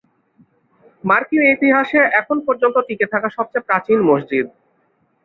মার্কিন ইতিহাসে এখন পর্যন্ত টিকে থাকা সবচেয়ে প্রাচীন মসজিদ।